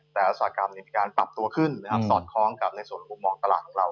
แต่สาหกรรมมีการปรับตัวขึ้นสอดคล้องกับในส่วนหัวมองตลาดของเรา